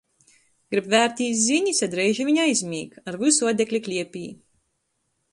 Grib vērtīs zinis, a dreiži viņ aizmīg. Ar vysu adekli kliepī.